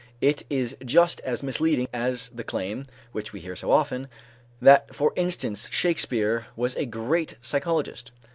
It is just as misleading as the claim, which we hear so often, that for instance Shakespeare was a great psychologist.